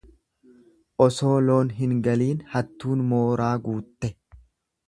Osoo loon hin galiin hattuun mooraa guutte.